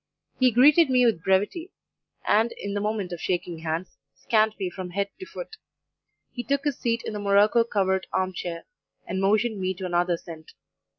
He greeted me with brevity, and, in the moment of shaking hands, scanned me from head to foot; he took his seat in the morocco covered arm chair, and motioned me to another seat.